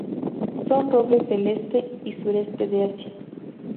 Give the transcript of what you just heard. Son robles del este y sureste de Asia.